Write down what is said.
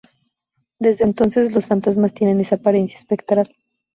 Desde entonces, los fantasmas tienen esa apariencia espectral.